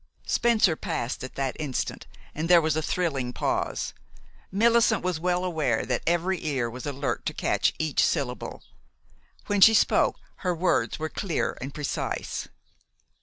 Spencer passed at that instant, and there was a thrilling pause. Millicent was well aware that every ear was alert to catch each syllable. When she spoke, her words were clear and precise.